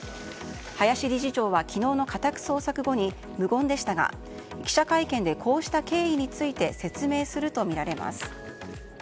林理事長は昨日の家宅捜索後に無言でしたが記者会見でこうした経緯について説明するとみられます。